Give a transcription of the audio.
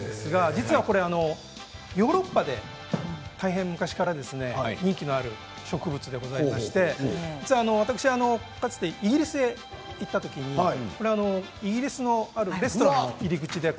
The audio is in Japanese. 実はヨーロッパで大変昔から人気のある植物でございまして私は、かつてイギリスに行ったときにあるレストランの入り口の写真です。